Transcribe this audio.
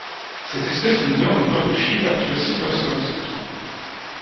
Cette espèce est nommée en l'honneur de Philip Arthur Silverstone-Sopkin.